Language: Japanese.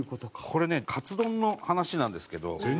これねカツ丼の話なんですけど。